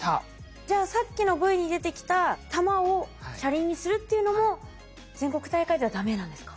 じゃあさっきのＶに出てきた玉を車輪にするっていうのも全国大会ではダメなんですか？